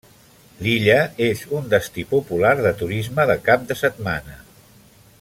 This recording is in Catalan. L'illa és un destí popular de turisme de cap de setmana.